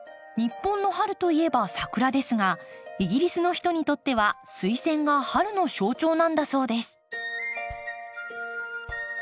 日本の春といえばサクラですがイギリスの人にとってはスイセンが春の象徴なんだそうです。